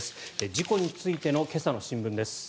事故についての今朝の新聞です。